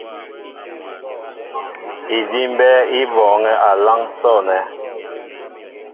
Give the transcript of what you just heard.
Idí' mbɛ́ɛ́ í bɔɔŋɛ́ a láŋ sɔ̂nɛ́.